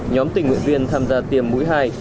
nhóm tỉnh nguyện viên tham gia tiêm mũi hai